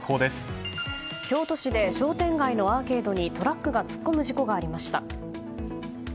京都市で商店街のアーケードにトラックが突っ込む事故がありました。